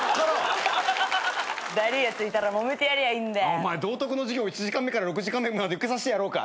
お前道徳の授業１時間目から６時間目まで受けさせてやろうか。